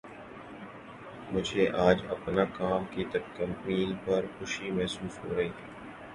مجھے آج اپنے کام کی تکمیل پر خوشی محسوس ہو رہی ہے